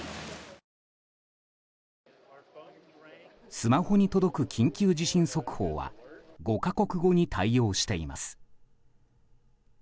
スマホに届く緊急地震速報は５か国語に対応しています。